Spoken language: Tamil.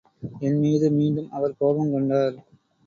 என்மீது மீண்டும் அவர் கோபங்கொண்டார்.